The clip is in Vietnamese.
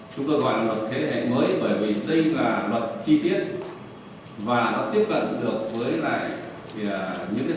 chúng tôi gọi là luật thế hệ mới bởi vì đây là luật chi tiết